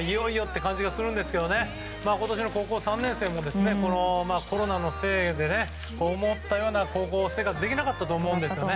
いよいよって感じがしますが今年の高校３年生もコロナのせいで思ったような高校生活ができなかったと思うんですよね。